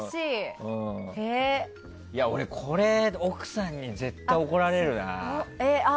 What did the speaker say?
俺、これ奥さんに絶対怒られるな。